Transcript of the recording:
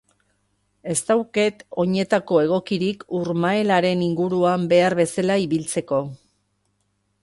Ez daukat oinetako egokirik urmaelaren inguruan behar bezala ibiltzeko.